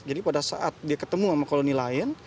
jadi pada saat dia ketemu sama koloni lain